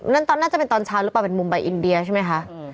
นั่นตอนน่าจะเป็นตอนเช้าหรือเปล่าเป็นมุมไปอินเดียใช่ไหมคะ